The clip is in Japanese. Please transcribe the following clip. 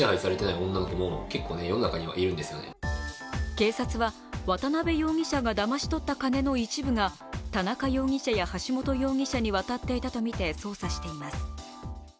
警察は渡邊容疑者がだまし取った金の一部が田中容疑者や橋本容疑者に渡っていたとみて捜査しています。